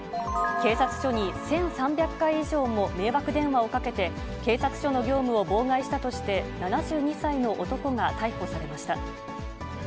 警察署に１３００回以上も迷惑電話をかけて、警察署の業務を妨害したとして、７２歳の男が逮捕されました。